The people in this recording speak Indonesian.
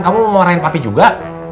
kamu mau marahin papi juga